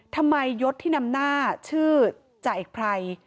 ยศที่นำหน้าชื่อจ่าเอกไพร